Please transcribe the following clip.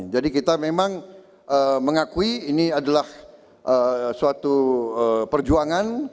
jadi kita memang mengakui ini adalah suatu perjuangan